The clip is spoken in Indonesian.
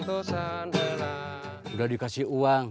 udah dikasih uang